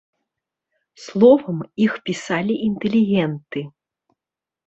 Словам, іх пісалі інтэлігенты.